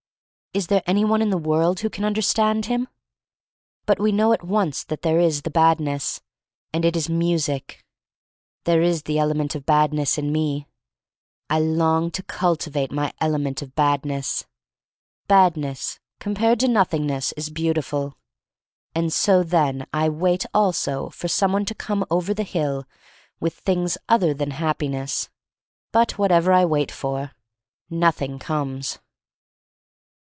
Is there any one in the world who can understand him? But we know at once that there is the Badness — and it is music! There is the element of Badness in me. I long to cultivate my element of 228 THE STORY OF MARY MAC LANE Badness. Badness compared to Noth ingness is beautiful. And so, then, I wait also for some one to come over the hill with things other than Happi ness. But whatever I wait for, nothing comes.